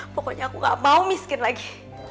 pokoknya aku gak mau miskin lagi